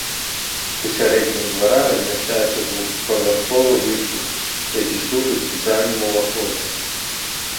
Усярэдзіне двара размяшчаецца двухпавярховы выступ, які служыць цэнтральным уваходам.